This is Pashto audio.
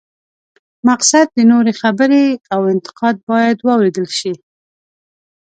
مقصد د نورو خبرې او انتقاد باید واورېدل شي.